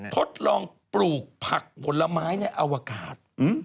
ทดลองปลูกผักผลไม้ในอวกาศ